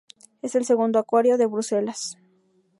Es el segundo acuario de Bruselas.